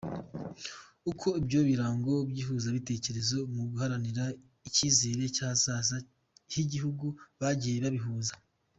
Uko ibyo birango by’ihuzabitekerezo mu guharanira icyizere cy’ahazaza h’igihugu, bagiye babihuza.